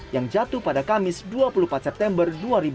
yang jatuh pada kamis dua puluh empat september dua ribu dua puluh